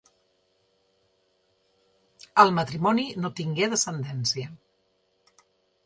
El matrimoni no tingué descendència.